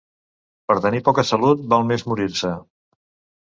Per tenir poca salut val més morir-se.